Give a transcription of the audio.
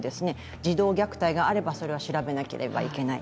児童虐待があれば、それは調べなければいけない。